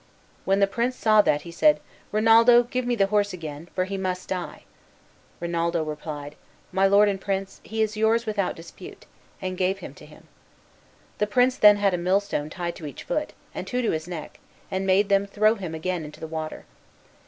When the prince saw that he said, "Rinaldo, give me the horse again, for he must die." Rinaldo replied, "My lord and prince, he is yours without dispute," and gave him to him. The prince then had a millstone tied to each foot, and two to his neck, and made them throw him again into the water.